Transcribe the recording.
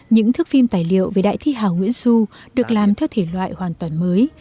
những thức phim tài liệu về đại thi hào nguyễn du được làm theo thể loại hoàn toàn mới